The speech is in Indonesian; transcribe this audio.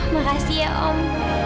makasih ya om